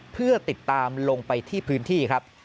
เพื่อติดตามลงไปที่พื้นที่ครับ